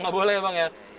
gak boleh ya bang ya